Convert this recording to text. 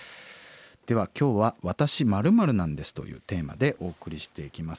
では今日は「わたし○○なんです」というテーマでお送りしていきます。